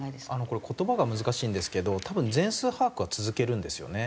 これ言葉が難しいんですけど多分全数把握は続けるんですよね。